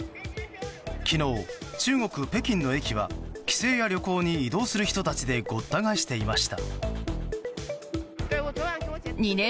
昨日、中国・北京の駅は帰省や旅行に移動する人たちでごった返していました。